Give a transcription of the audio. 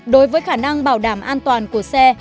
đối với khả năng bảo đảm an toàn của xe